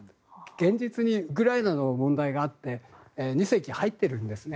現実にウクライナの問題があって２隻入ってるんですね。